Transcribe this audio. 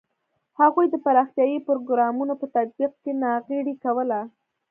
هغوی د پراختیايي پروګرامونو په تطبیق کې ناغېړي کوله.